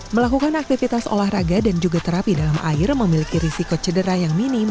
melakukan aktivitas olahraga dan juga terapi dalam air memiliki risiko cedera yang minim